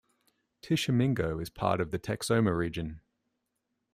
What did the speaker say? Tishomingo is part of the Texoma Region.